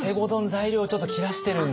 材料ちょっと切らしてるんですよね。